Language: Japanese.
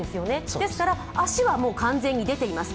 ですから足は完全に出ています。